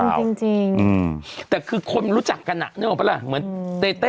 จริงจริงอืมแต่คือคนมันรู้จักกันอ่ะนึกออกปะล่ะเหมือนเต้เต้